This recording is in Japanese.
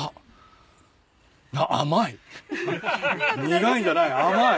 苦いんじゃない。